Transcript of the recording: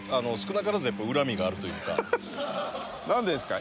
何でですか。